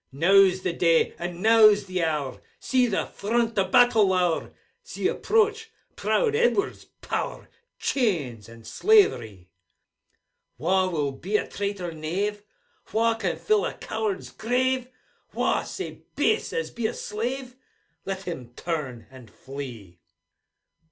Now's the day, and now's the hour; See the front o' battle lower; See approach proud Edward's power Chains and slaverie! Wha will be a traitor knave? Wha can fill a coward's grave? Wha sae base as be a slave? Let him turn, and flee